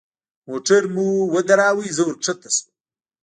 موټر مو ودراوه زه ورکښته سوم.